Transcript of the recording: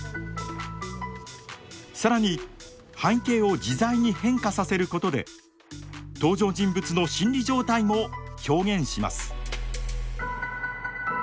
更に背景を自在に変化させることで登場人物の心理状態も表現します。